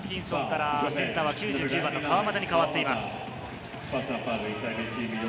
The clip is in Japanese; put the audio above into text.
ジョシュ・ホーキンソンからセンターは９９番の川真田に代わっています。